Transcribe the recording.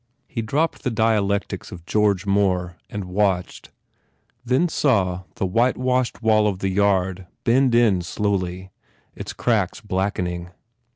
He dropped the dialectics of George Moore and watched, then saw the whitewashed wall of the yard bend in slowly, its cracks blackening.